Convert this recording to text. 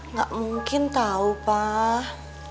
nggak mungkin tau pak